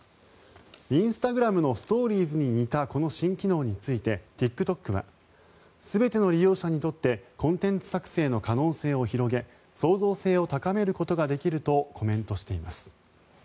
インスタグラムのストーリーズに似たこの新機能についてＴｉｋＴｏｋは全ての利用者にとってコンテンツ作成の可能性を広げ創造性を高めることができるとコメントしています。